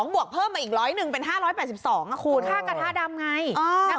บวกเพิ่มมาอีกร้อยหนึ่งเป็น๕๘๒คูณค่ากระทะดำไง